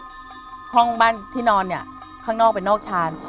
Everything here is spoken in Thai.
ช่องบ้านที่นอนข้างนอกเป็นนอกชาน